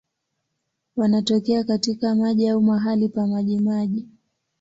Wanatokea katika maji au mahali pa majimaji.